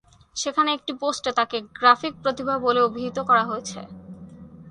সেখানে একটি পোস্টে তাকে "গ্রাফিক প্রতিভা" বলে অভিহিত করা হয়েছে।